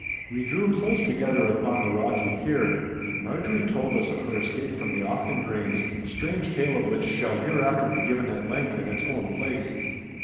We drew close together upon the rocky pier, and Marjorie told us of her escape from the Auchendraynes, the strange tale of which shall hereafter be given at length in its own place.